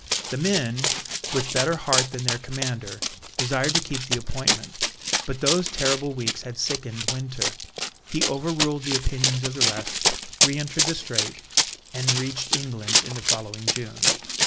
The men, with better heart than their commander, desired to keep the appointment. But those terrible weeks had sickened Winter. He overruled the opinions of the rest, re entered the Strait, and reached England in the following June.